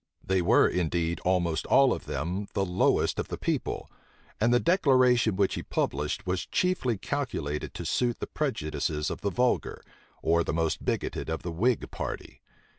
They were, indeed, almost all of them the lowest of the people; and the declaration which he published was chiefly calculated to suit the prejudices of the vulgar, or the most bigoted of the whig party.